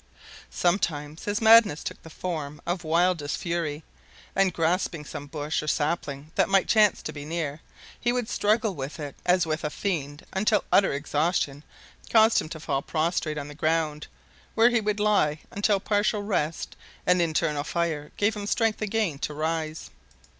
Sometimes his madness took the form of wildest fury, and, grasping some bush or sapling that might chance to be near, he would struggle with it as with a fiend until utter exhaustion caused him to fall prostrate on the ground, where he would lie until partial rest and internal fire gave him strength again to rise.